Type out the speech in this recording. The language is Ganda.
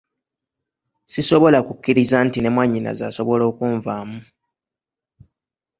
Sisobola kukkiriza nti ne mwannyinaze asobola okunvaamu.